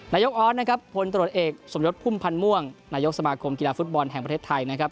นายกออสนะครับพลตรวจเอกสมยศพุ่มพันธ์ม่วงนายกสมาคมกีฬาฟุตบอลแห่งประเทศไทยนะครับ